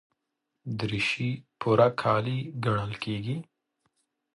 دریشي پوره کالي ګڼل کېږي.